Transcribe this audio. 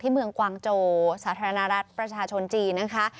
เมืองกวางโจสาธารณรัฐประชาชนจีนนะคะ